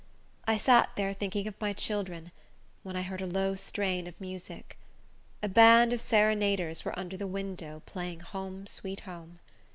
I sat there thinking of my children, when I heard a low strain of music. A band of serenaders were under the window, playing "Home, sweet home."